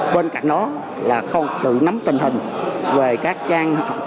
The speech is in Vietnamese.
bên cạnh đó là sự nắm tình hình về các trang mạng hội nhóm